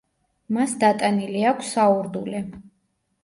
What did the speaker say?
მას დატანილი აქვს საურდულე.